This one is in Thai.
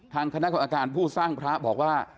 ทางคณะกรรมการผู้สร้างพระบอกว่า